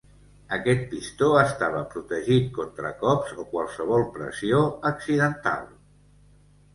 Aquest pistó estava protegit contra cops o qualsevol pressió accidental.